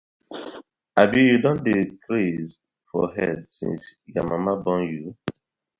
Abi yu don dey craze for head since yur mama born yu.